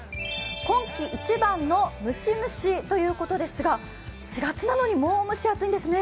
今季一番のムシムシということですが、４月なのに、もう蒸し暑いんですね。